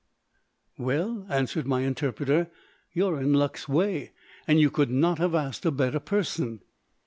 "Well," answered my interpreter, "you are in luck's way, and you could not have asked a better person."